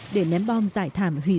để ném bom giải thảm hướng dẫn